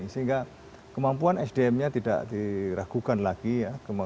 sehingga kemampuan sdm nya tidak diragukan lagi ya